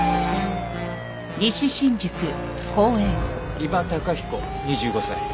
伊庭崇彦２５歳。